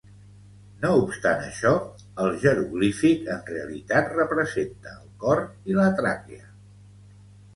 No obstant això, el jeroglífic en realitat representa el cor i la tràquea.